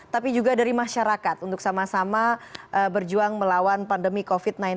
tapi juga dari masyarakat untuk sama sama berjuang melawan pandemi covid sembilan belas